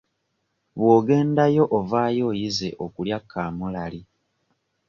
Bw'ogendayo ovaayo oyize okulya kaamulali.